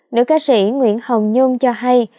nữ ca sĩ nguyễn hồng nhung cho hay